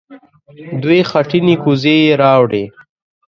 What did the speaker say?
دوې خټينې کوزې يې راوړې.